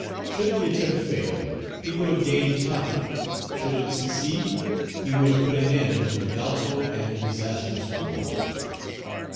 Should the attempt fail, he would have gained time; should it succeed, he would have put an end to a doubtful and disastrous war.